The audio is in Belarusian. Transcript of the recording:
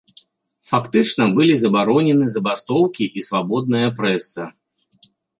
Фактычна былі забаронены забастоўкі і свабодная прэса.